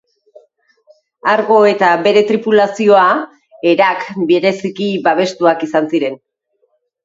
Argo eta bere tripulazioa, Herak bereziki babestuak izan ziren.